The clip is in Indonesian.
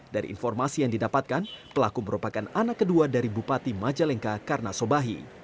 dari informasi yang didapatkan pelaku merupakan anak kedua dari bupati majalengka karena sobahi